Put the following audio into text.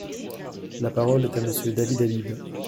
La parole est à Monsieur David Habib.